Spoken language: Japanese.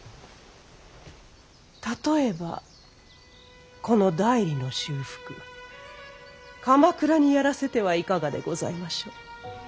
例えばこの内裏の修復鎌倉にやらせてはいかがでございましょう。